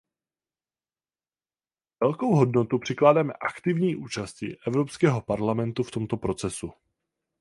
Velkou hodnotu přikládáme aktivní účasti Evropského parlamentu v tomto procesu.